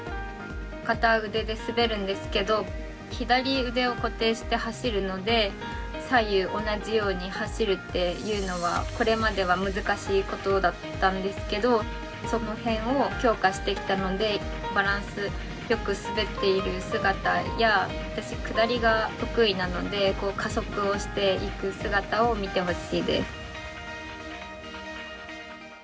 片腕で滑るんですけど左腕を固定して走るので左右同じように走るっていうのはこれまでは難しいことだったんですけどそのへんを強化してきたのでバランスよく滑っている姿や私、下りが得意なので加速していく姿を見てほしいです。